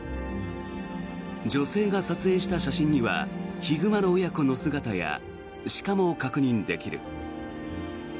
女性が撮影した写真にはヒグマの親子の姿や鹿も確認できる。